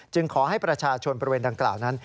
ขอให้ประชาชนบริเวณดังกล่าวนั้น